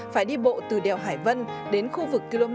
phải đi bộ từ đèo hải vân đến khu vực km tám trăm năm mươi chín